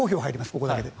ここだけで。